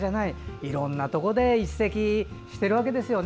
いろいろなところで一席しているわけですよね。